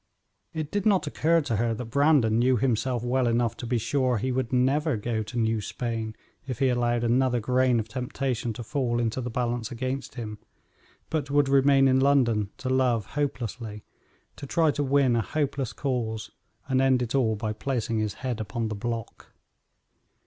It did not occur to her that Brandon knew himself well enough to be sure he would never go to New Spain if he allowed another grain of temptation to fall into the balance against him, but would remain in London to love hopelessly, to try to win a hopeless cause, and end it all by placing his head upon the block.